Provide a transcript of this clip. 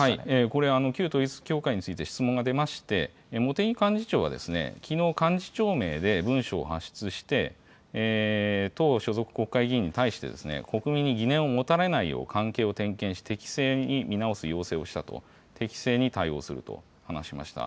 これ、旧統一教会について質問が出まして、茂木幹事長は、きのう幹事長名で文書を発出して、党所属国会議員に対して、国民に疑念を持たれないよう関係を点検して、適正に見直す要請をしたと、適正に対応すると話しました。